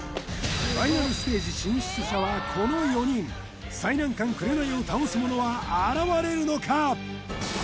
ファイナルステージ進出者はこの４人最難関「紅」を倒す者は現れるのか？